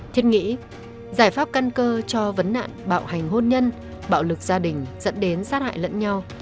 thiết nghĩ giải pháp căn cơ cho vấn nạn bạo hành hôn nhân bạo lực gia đình dẫn đến sát hại lẫn nhau